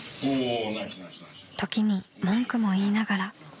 ［時に文句もいいながら］